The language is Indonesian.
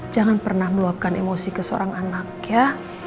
jangan pernah meluapkan emosi ke seorang anak ya